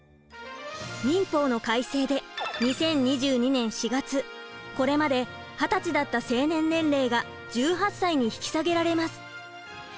民法の改正で２０２２年４月これまで二十歳だった成年年齢が１８歳に引き下げられます。